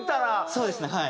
そうですねはい。